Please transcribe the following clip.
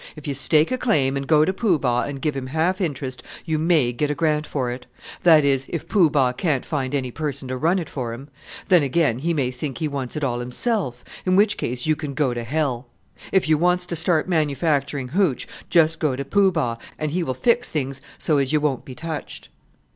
If you stake a claim, and go to Poo Bah and give him half interest, you may get a grant for it that is, if Poo Bah can't find any person to run it for him! Then, again, he may think he wants it all himself in which case you can go to hell! If you wants to start manufacturing hootch, just go to Poo Bah, and he will fix things so as you won't be touched."